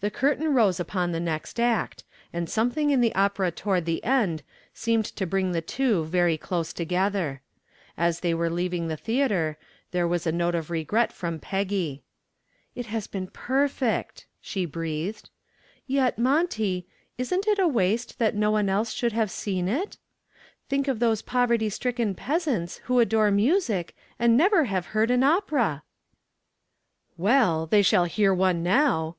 The curtain rose upon the next act, and something in the opera toward the end seemed to bring the two very close together. As they were leaving the theater, there was a note of regret from Peggy. "It has been perfect," she breathed, "yet, Monty, isn't it a waste that no one else should have seen it? Think of these poverty stricken peasants who adore music and have never heard an opera." "Well, they shall hear one now."